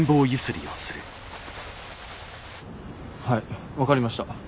はい分かりました。